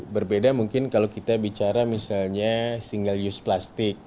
berbeda mungkin kalau kita bicara misalnya single use plastik